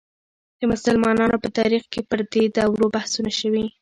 د مسلمانانو په تاریخ کې پر دې دورو بحثونه شوي.